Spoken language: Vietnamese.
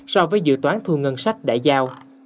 so với dự toán thu ngân sách đại giao